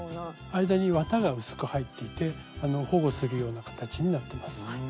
間に綿が薄く入っていて保護するような形になってます。